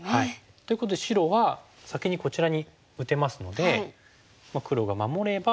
ということで白は先にこちらに打てますので黒が守れば例えばこういうふうにね